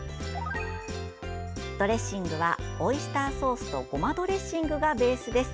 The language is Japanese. ドレッシングはオイスターソースとごまドレッシングがベースです。